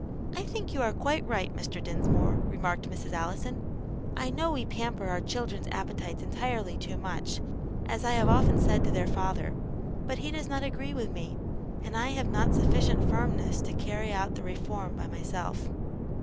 "I think you are quite right, Mr. Dinsmore," remarked Mrs. Allison. "I know we pamper our children's appetites entirely too much, as I have often said to their father; but he does not agree with me, and I have not sufficient firmness to carry out the reform by myself."